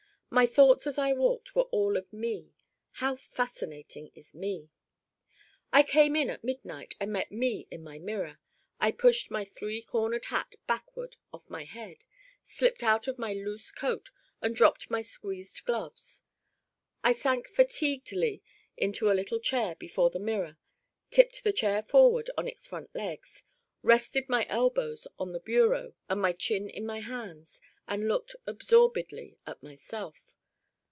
My thoughts as I walked were all of Me: how fascinating is Me. I came in at midnight and met Me in my mirror. I pushed my three cornered hat backward off my head, slipped out of my loose coat and dropped my squeezed gloves. I sank fatiguedly into a little chair before the mirror, tipped the chair forward on its front legs, rested my elbows on the bureau and my chin in my hands and looked absorbedly at myself.